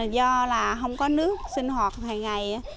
do là không có nước sinh hoạt hàng ngày